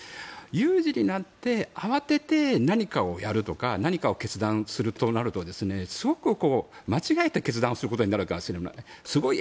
有事になって慌てて何かをやるとか何かを決断するとなるとすごく間違えた決断をすることになるかもしれない。